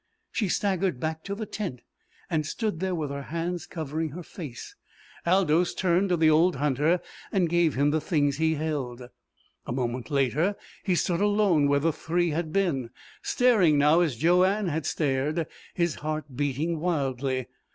She staggered back to the tent, and stood there with her hands covering her face. Aldous turned to the old hunter and gave him the things he held. A moment later he stood alone where the three had been, staring now as Joanne had stared, his heart beating wildly.